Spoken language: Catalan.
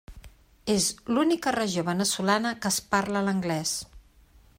És l'única regió veneçolana que es parla l'anglès.